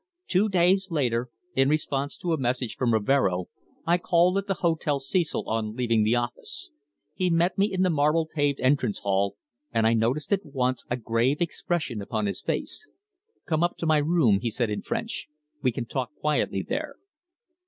Two days later, in response to a message from Rivero, I called at the Hotel Cecil on leaving the office. He met me in the marble paved entrance hall, and I noticed at once a grave expression upon his face. "Come up to my room," he said in French. "We can talk quietly there."